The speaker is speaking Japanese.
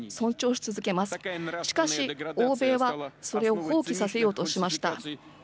しかし欧米はそれを放棄させようとしました。